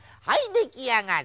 できあがり！